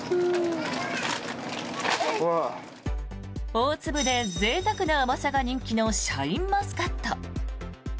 大粒でぜいたくな甘さが人気のシャインマスカット。